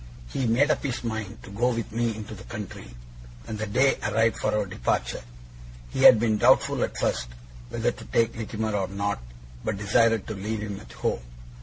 He made up his mind to go with me into the country, and the day arrived for our departure. He had been doubtful at first whether to take Littimer or not, but decided to leave him at home.